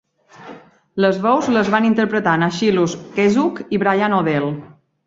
Les veus les van interpretar Nachilus Kezuck i Brian O'Dell.